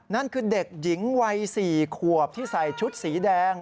นั่นคือเด็กหญิงวัย๔ขวบที่ใส่ชุดสีแดง